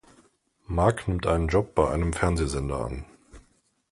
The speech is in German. Mark nimmt einen Job bei einem Fernsehsender an.